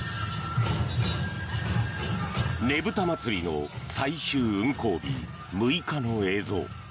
ねぶた祭の最終運行日６日の映像。